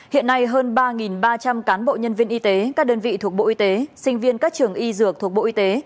hiện nay hơn ba ba trăm linh cán bộ nhân viên y tế các đơn vị thuộc bộ y tế sinh viên các trường y dược thuộc bộ y tế